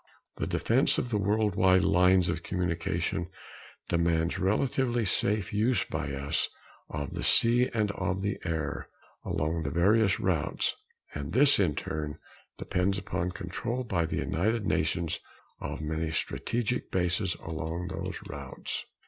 The defense of the world wide lines of communication demands relatively safe use by us of the sea and of the air along the various routes; and this, in turn, depends upon control by the United Nations of many strategic bases along those routes.